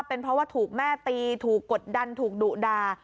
เป็นเพราะว่าถูกแม่ตีถูกกดดันถูกดุด่า